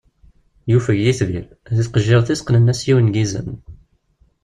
Yufeg yitbir, deg tqejjirt-is qqnen-as yiwen n izen.